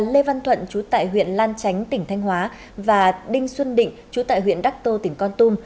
lê văn thuận chú tại huyện lan chánh tỉnh thanh hóa và đinh xuân định chú tại huyện đắc tô tỉnh con tum